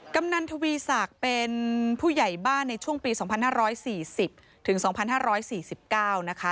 กำนันทวีศักดิ์เป็นผู้ใหญ่บ้านในช่วงปี๒๕๔๐ถึง๒๕๔๙นะคะ